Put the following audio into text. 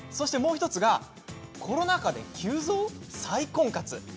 もう１つがコロナ禍で急増、再婚活。